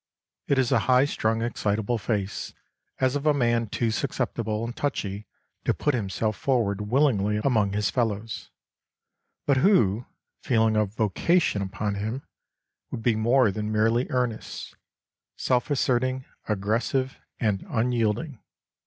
It is a high strung, excitable face, as of a man too susceptible and touchy to put himself forward willingly among his fellows, but who, feeling a 'vocation' upon him, would be more than merely earnest, self asserting, aggressive, and unyielding.